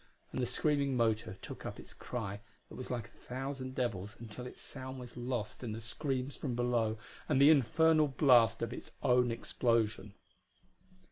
And the screaming motor took up its cry that was like a thousand devils until its sound was lost in the screams from below and the infernal blast of its own explosion.